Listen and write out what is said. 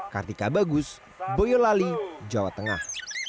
kartika bagus boyolali jawa tengah